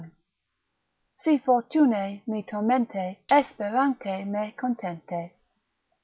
Si fortune me tormente, Esperance me contente.